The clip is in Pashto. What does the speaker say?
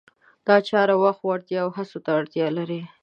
دا چاره وخت، وړتیا او هڅو ته اړتیا لري.